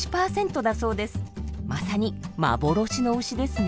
まさに幻の牛ですね。